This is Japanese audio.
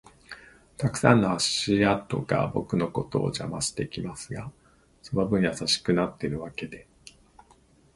たくさんの足跡が僕のことを邪魔してきますが、その分優しくなってるわけで